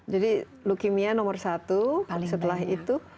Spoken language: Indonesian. jadi leukemia nomor satu setelah itu